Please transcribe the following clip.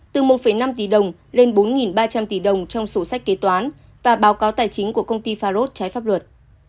từ một năm tỷ đồng lên bốn ba trăm linh tỷ đồng trong sổ sách kế toán và báo cáo tài chính của công ty farod trái pháp luật